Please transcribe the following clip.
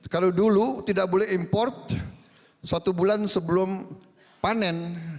kalau dulu tidak boleh import satu bulan sebelum panen